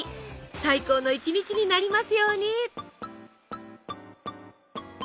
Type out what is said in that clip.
最高の一日になりますように！